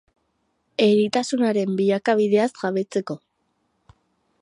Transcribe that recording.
Eritasunaren bilakabideaz jabetzeko.